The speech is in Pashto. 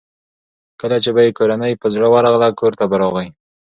کله چې به یې کورنۍ په زړه ورغله کورته به راغی.